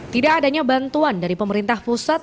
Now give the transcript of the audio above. tidak adanya bantuan dari pemerintah pusat